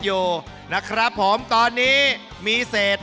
สงสัยเวลานี้แล้ว